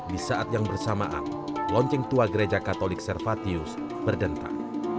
di saat yang bersamaan lonceng tua gereja katolik servatius berdentang